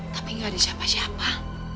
tapi nggak ada siapa siapa